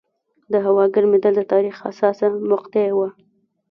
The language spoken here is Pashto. د هوا ګرمېدل د تاریخ حساسه مقطعه وه.